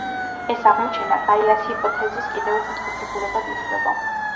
ეს აღმოჩენა გაიას ჰიპოთეზის კიდევ ერთ მტკიცებულებად ითვლება.